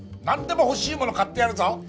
なんでも欲しいもの買ってやるぞ。